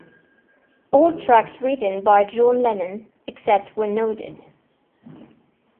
All tracks written by John Lennon, except where noted.